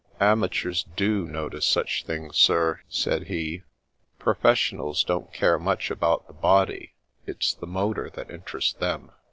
Amateurs do notice such things, sir," said he. Professionals don't care much about the body ; it's the motor that interests them."